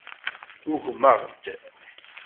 Ugmeɣ-d.